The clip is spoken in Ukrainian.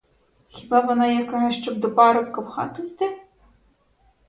Хіба вона яка, щоб до парубка в хату йти?